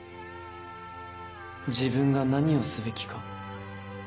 自分が何をすべきか。